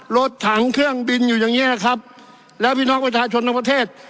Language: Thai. รถถังเครื่องบินอยู่อย่างเงี้นะครับแล้วพี่น้องประชาชนทั้งประเทศ